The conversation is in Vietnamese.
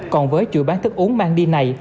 còn với chủ bán thức uống mang đi này